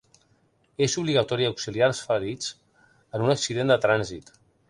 És obligatori auxiliar el ferits en un accident de trànsit.